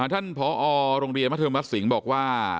ท่านผอโรงเรียนมัธมสิงห์บอกว่า